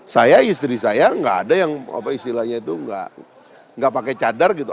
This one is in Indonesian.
saya istri saya enggak ada yang istilahnya itu enggak pakai cadar gitu